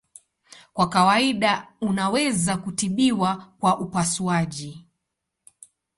Kwa kawaida unaweza kutibiwa kwa upasuaji.